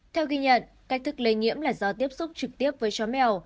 theo ghi nhận cách thức lây nhiễm là do tiếp xúc trực tiếp với chó mèo